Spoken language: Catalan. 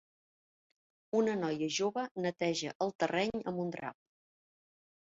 Una noia jove neteja el terreny amb un drap.